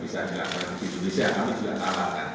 bisa diapakan di indonesia tapi juga tarahkan